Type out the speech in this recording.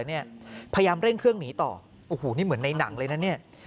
พยายามเร่งเครื่องหนีต่อโอ้โหนี่เหมือนในหนังเลยนะเนี่ย